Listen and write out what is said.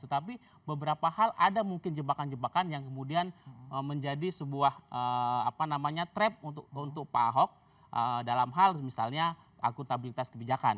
tetapi beberapa hal ada mungkin jebakan jebakan yang kemudian menjadi sebuah trap untuk pak ahok dalam hal misalnya akuntabilitas kebijakan